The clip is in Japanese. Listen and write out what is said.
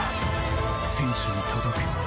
選手に届け！